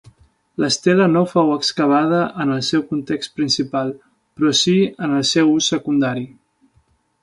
L'estela no fou excavada en el seu context principal, però sí en el seu ús secundari.